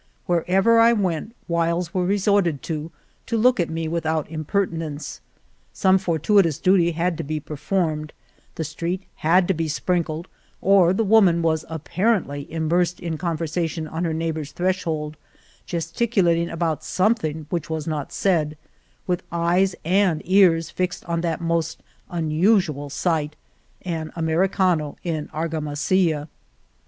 Wherever I went wiles were resorted to to look at me without imperti nence. Some fortuitous duty had to be per formed, the street had to be sprinkled, or the woman was apparently immersed in con versation on her neighbor's threshold, gestic ulating about something which was not said, with eyes and ears fixed on that most un usual sight — an Americano in Argamasilla.